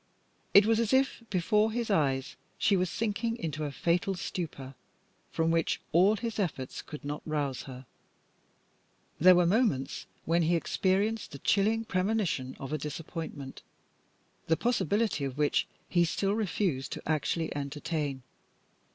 It was as if before his eyes she were sinking into a fatal stupor, from which all his efforts could not rouse her. There were moments when he experienced the chilling premonition of a disappointment, the possibility of which he still refused to actually entertain.